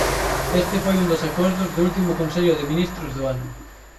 Este foi un dos acordos do último Consello de Ministros do ano.